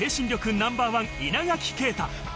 ナンバーワン稲垣啓太。